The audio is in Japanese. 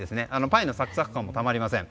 パイのサクサク感もたまりません。